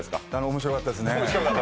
面白かったですね。